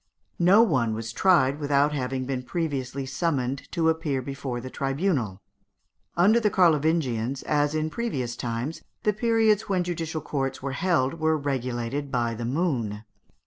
No one was tried without having been previously summoned to appear before the tribunal. Under the Carlovingians, as in previous times, the periods when judicial courts were held were regulated by the moon.